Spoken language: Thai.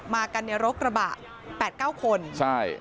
มากันในรถกระบะแปดเก้าคนใช่